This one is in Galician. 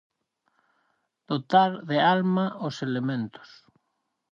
Dotar de alma os elementos.